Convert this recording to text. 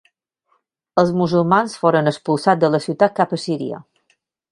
Els musulmans foren expulsats de la ciutat cap a Síria.